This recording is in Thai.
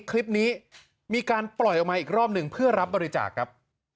คลิปนี้มีการปล่อยออกมาอีกรอบหนึ่งเพื่อรับบริจาคครับ